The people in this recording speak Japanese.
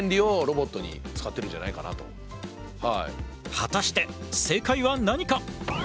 果たして正解は何か。